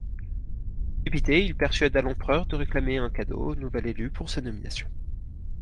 Dépité, il persuada l'empereur de réclamer un cadeau au nouvel élu pour sa nomination.